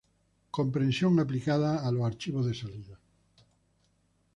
compresión aplicada a los archivos de salida